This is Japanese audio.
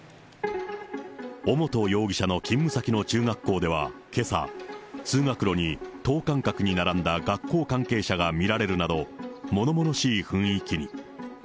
尾本容疑者の勤務先の中学校では、けさ、通学路に等間隔に並んだ学校関係者が見られるなど、ものものしい雰囲気に。